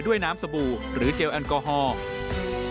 ด้วยน้ำสบู่หรือเจลแอลกอฮอล์